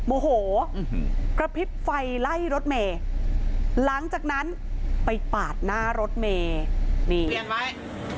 โอ้โหกระพริบไฟไล่รถเมย์หลังจากนั้นไปปาดหน้ารถเมย์